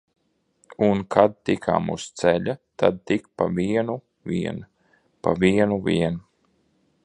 Un kad tikām uz ceļa, tad tik pa vienu vien, pa vienu vien!